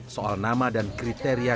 soal nama dan kriteria